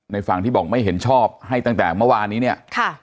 ฝั่งที่บอกไม่เห็นชอบให้ตั้งแต่เมื่อวานนี้เนี่ย